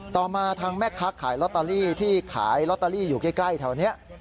ต่อมาทางแม่ค้าขายลอตเตอรี่ที่ขายลอตเตอรี่อยู่ใกล้แถวนี้